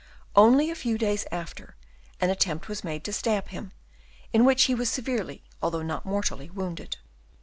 Only a few days after, an attempt was made to stab him, in which he was severely although not mortally wounded.